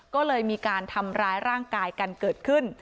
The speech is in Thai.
ก็เลยมีการทำร้ายร่างกายกันเกิดขึ้น